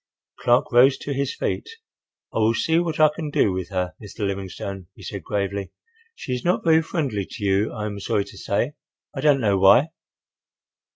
Clark rose to his feet. "I will see what I can do with her, Mr. Livingstone," he said, gravely. "She is not very friendly to you, I am sorry to say—I don't know why."